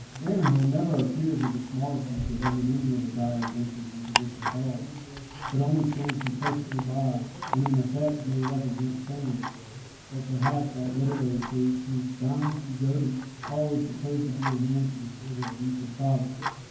Ehrenhold never appears of the smallest use to him in any of the dire adventures into which he falls, but only stands complacently by, and in effect may represent Fame, or perhaps that literary sage whom Don Quixote always supposed to be at hand to record his deeds of prowess.